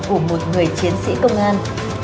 của một người chiến sĩ công an